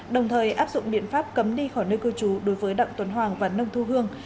đồng thời áp dụng biện pháp cấm đi khỏi nơi cư trú đối với đặng tuấn hoàng và nông thu hương